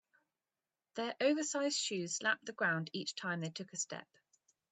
Their oversized shoes slapped the ground each time they took a step.